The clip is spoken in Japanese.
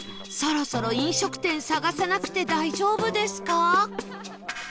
そろそろ飲食店探さなくて大丈夫ですか？